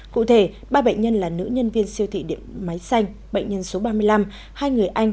cụ thể ba bệnh nhân là nữ nhân viên siêu thị điện máy xanh bệnh nhân số ba mươi năm hai người anh